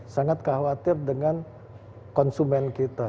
sangat khawatir dengan konsumen kita